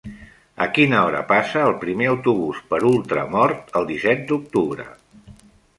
A quina hora passa el primer autobús per Ultramort el disset d'octubre?